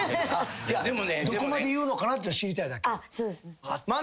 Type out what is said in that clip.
どこまで言うのかなって知りたいだけ。